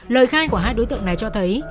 lời khai của hai đối tượng này cho thấy